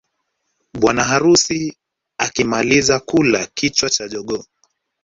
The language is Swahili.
Bwana harusi akimaliza kula kichwa cha jogoo